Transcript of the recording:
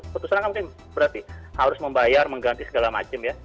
putusan kan mungkin berarti harus membayar mengganti segala macam ya